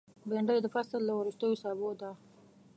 بېنډۍ د فصل له وروستیو سابو ده